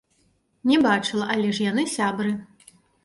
Не бачыла, але ж яны сябры.